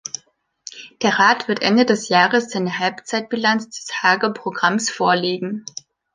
Der Rat wird Ende des Jahres seine Halbzeitbilanz des Haager Programms vorlegen.